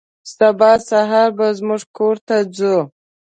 سبا سهار به زموږ کور ته ځو.